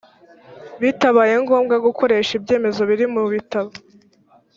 bitabaye ngombwa gukoresha ibyemezo biri mu bitabo